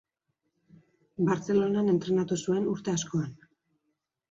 Bartzelonan entrenatu zuen urte askoan.